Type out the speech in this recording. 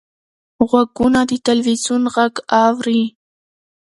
غوږونه د تلویزیون غږ اوري